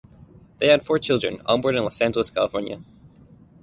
They had four children, all born in Los Angeles, California.